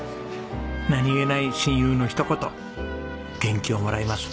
何げない親友の一言元気をもらいます。